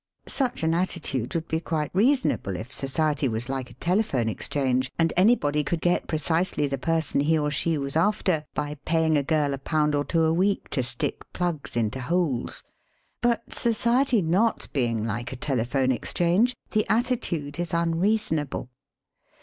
Such an attitude would he quite reasonable if society was like a telephone exchange, and any body could get precisely the person he or she was after by paying a girl a pound or two a week to stick plugs into holes. But society not being like a telephone exchange, the attitude is unreason able.